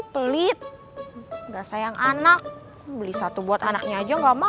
pelit nggak sayang anak beli satu buat anaknya aja nggak mau